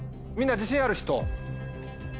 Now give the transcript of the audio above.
自信ある？